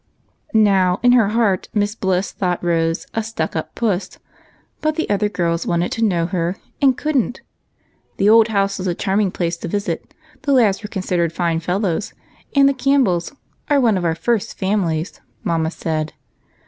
Now, in her heart Miss Bliss thought Rose "a stuck up puss," but the other girls wanted to know her and could n't, the old house was a charming place to visit, the lads were considered fine fellows, and the Campbells "are one of our first families," mamma said.